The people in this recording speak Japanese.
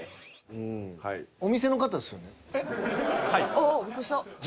ああびっくりした。